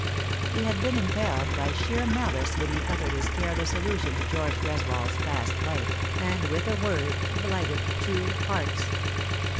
He had been impelled by sheer malice when he uttered his careless allusion to George Greswold's past life, and with a word blighted two hearts.